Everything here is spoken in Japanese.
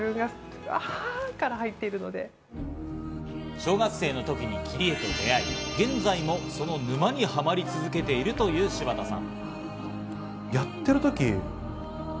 小学生のときに切り絵と出会い、現在もその沼にハマり続けているという柴田さん。